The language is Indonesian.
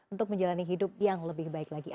untuk menjalani hidup yang lebih baik lagi